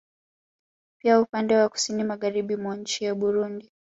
Pia upande wa kusini Magharibi mwa nchi ya Burundi